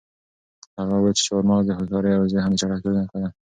هغه وویل چې چهارمغز د هوښیارۍ او د ذهن د چټکتیا نښه ده.